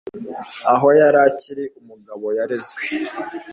Aho yari akiri umugabo yarezwe